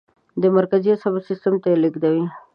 د مرکزي اعصابو سیستم ته یې لیږدوي.